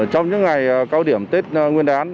trong những ngày cao điểm tết nguyên đán